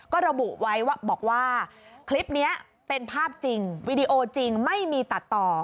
ก็ระบุไว้ว่าบอกว่าคลิปนี้เป็นภาพจริงวีดีโอจริงไม่มีตัดต่อ